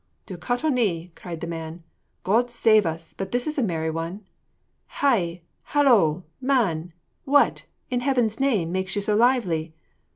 'Duw catto ni!' cried the man, 'God save us! but this is a merry one. Hai, holo! man, what, in Heaven's name, makes you so lively?'